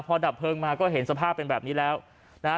พอดับเพลิงมาก็เห็นสภาพเป็นแบบนี้แล้วนะฮะ